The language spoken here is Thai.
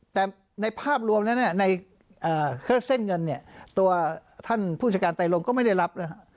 แต่ในภาพรวมแล้วนะฮะในเคลื่อนเซ่นเงินตัวท่านผู้จัดการไต้ลงก็ไม่ได้รับ